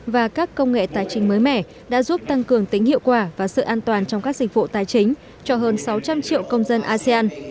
và các công nghệ tài chính mới mẻ đã giúp tăng cường tính hiệu quả và sự an toàn trong các dịch vụ tài chính cho hơn sáu trăm linh triệu công dân asean